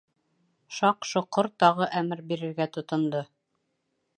Шаҡ-Шоҡор тағы әмер бирергә тотондо.